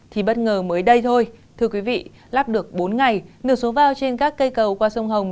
thì bất ngờ mới đây thôi thưa quý vị lắp được bốn ngày nửa số bao trên các cây cầu qua sông hồng